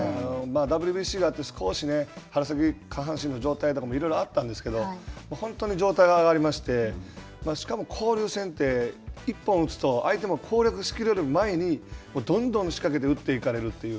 ＷＢＣがあって、少し春先、下半身の状態とか、いろいろあったんですけれども、本当に状態は上がりまして、しかも交流戦って、１本打つと、相手も攻略しきれる前に、どんどん仕掛けて打っていかれるという。